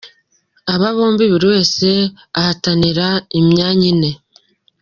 Aba bombi, buri wese ahatanira imyanya ine.